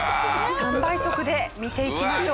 ３倍速で見ていきましょう。